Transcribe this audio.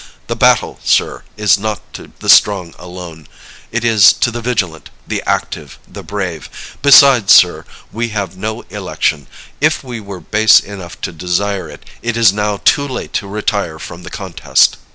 The battle, sir, is not to the strong alone; it is to the vigilant, the active, the brave. Besides, sir, we have no election. If we were base enough to desire it, it is now too late to retire from the contest.